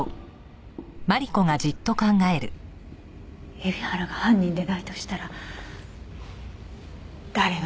海老原が犯人でないとしたら誰が。